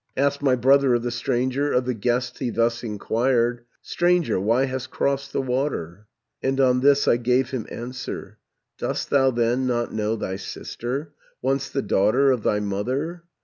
"Asked my brother of the stranger, Of the guest he thus inquired: 'Stranger, why hast crossed the water?' "And on this I gave him answer: 'Dost thou then not know thy sister, Once the daughter of thy mother?